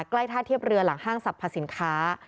ใกล้ท่าเทียบเรือหลังห้างสรรพสินค้า